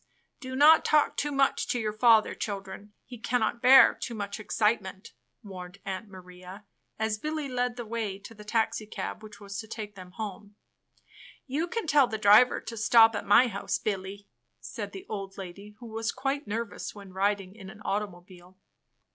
"Do not talk too much to your father, children; he cannot bear too much excitement," warned Aunt Maria, as Billy led the way to the taxi cab which was to take them home. Father dear Home Again 217 "You can tell the driver to stop at my house, Billy," said the old lady, who was quite nervous when riding in an automobile.